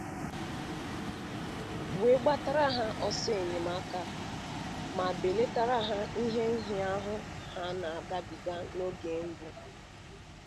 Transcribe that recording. wee gbatara ha ọsọ enyemaka ma belatara ha ihe nhịaahụ ha na-agabiga n'oge mbụ